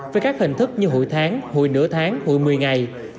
với các hình thức như hụi tháng hụi nửa tháng hụi một mươi ngày